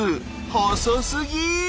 細すぎ！